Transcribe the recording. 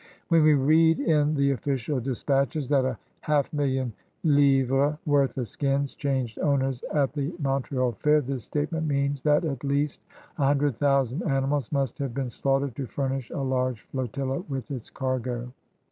When we read in the* official dispatches that a half 170 CRUSADERS OP NEW PRANCE million livrea* worth of skins changed owners at the Montreal fair, this statement means that at least a himdred thousand animals must have been slaughtered to furnish a large flotilla with its cargo.